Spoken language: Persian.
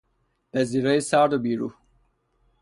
پذیرایی سرد و بیروح